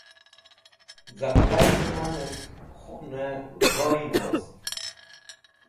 Caqlai Zemanes̃h Khune Voyn Wost